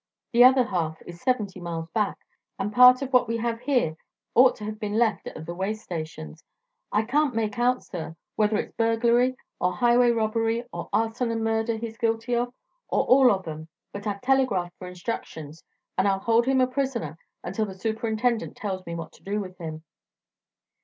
The other half is seventy miles back, and part of what we have here ought to have been left at the way stations. I can't make out, sir, whether it's burglary, or highway robbery or arson an' murder he's guilty of, or all of 'em; but I've telegraphed for instructions and I'll hold him a prisoner until the superintendent tells me what to do with him."